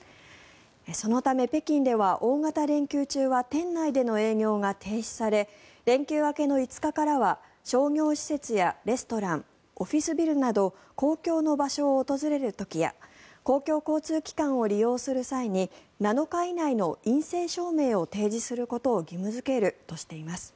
そのため北京では、大型連休中は店内での営業が停止され連休明けの５日からは商業施設やレストランオフィスビルなど公共の場所を訪れる時や公共交通機関を利用する際に７日以内の陰性証明を提示することを義務付けるとしています。